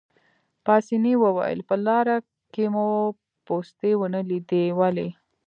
پاسیني وویل: په لاره کې مو پوستې ونه لیدې، ولې؟